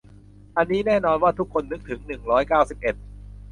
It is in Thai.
อันนี้แน่นอนว่าทุกคนนึกถึง หนึ่งร้อยเก้าสิบเอ็ด